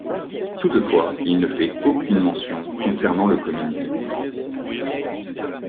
Toutefois, il ne fait aucune mention concernant le communisme.